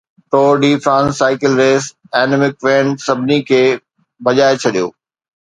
ٽور de France cycle race اينمڪ وين سڀني کي ڀڄائي ڇڏيو